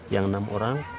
yang enam orang